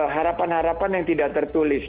harapan harapan yang tidak tertulis